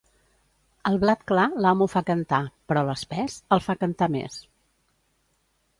El blat clar, l'amo fa cantar, però, l'espès, el fa cantar més.